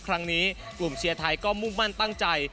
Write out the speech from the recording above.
ครั้งนี้กลุ่มเชียร์ไทยก็มุ่งมั่นตั้งใจ